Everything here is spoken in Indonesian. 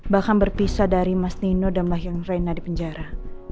bahkan berpisah dari mas nino dan bahyang reina di penjara